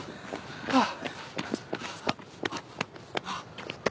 あっ。